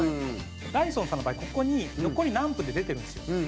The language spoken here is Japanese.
ダイソンさんの場合ここに残り何分って出てるんですよ。